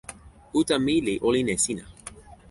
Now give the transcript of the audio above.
uta mi li olin e sina.